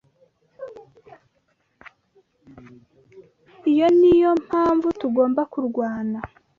Iyo niyo mpamvu tugomba kurwana.